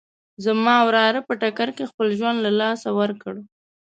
زما وراره په ټکر کې خپل ژوند له لاسه ورکړ